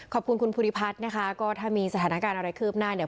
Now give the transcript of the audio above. ขอบคุณคุณภูริพัฒน์นะคะก็ถ้ามีสถานการณ์อะไรคืบหน้าเนี่ย